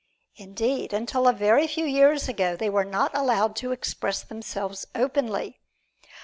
Indeed, until a very few years ago they were not allowed to express themselves openly.